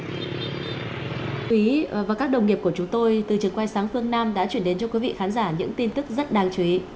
cảm ơn quý vị và các đồng nghiệp của chúng tôi từ trường quay sáng phương nam đã chuyển đến cho quý vị khán giả những tin tức rất đáng chú ý